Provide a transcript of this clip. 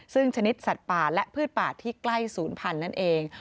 ซึ่งชนิดสัตว์ป่าและพืชป่าที่ใกล้ศูนย์พันธุ์นั่นเอง